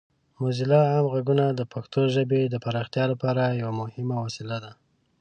موزیلا عام غږ د پښتو ژبې د پراختیا لپاره یوه مهمه وسیله ده.